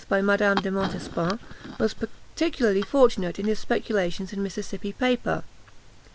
by Madame de Montespan, was peculiarly fortunate in his speculations in Mississippi paper.